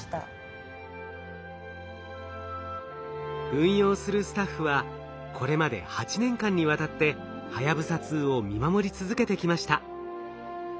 運用するスタッフはこれまで８年間にわたってはやぶさ２を見守り続けてきました。